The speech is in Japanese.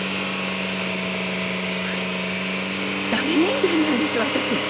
駄目人間なんです私。